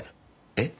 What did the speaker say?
えっ？